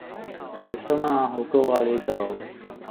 小心呀！好高呀呢度